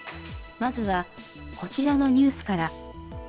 まずはこちらのニュースから。